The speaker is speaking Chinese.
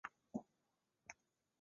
光绪十年正式就任盟长。